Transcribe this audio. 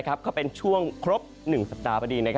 ขวาเป็นช่วงครบ๑สัปดาห์ประดี